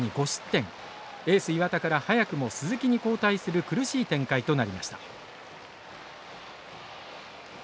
エース岩田から早くも鈴木に交代する苦しい展開となりました。